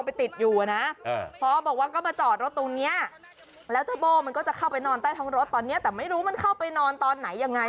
เพื่อจะขยับเนี่ยโบ๊ทตกใจไง